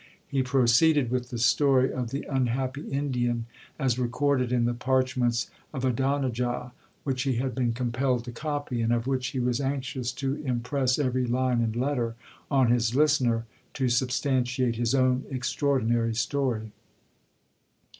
He proceeded with the story of the unhappy Indian, as recorded in the parchments of Adonijah, which he had been compelled to copy, and of which he was anxious to impress every line and letter on his listener, to substantiate his own extraordinary story.